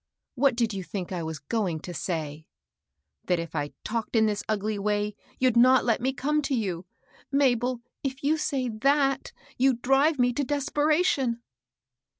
What did you think I was going to say ?"^" That if I talked in this ugly way, you'd not let me come to you. Mabel, if you say ihatj you drive me to desperation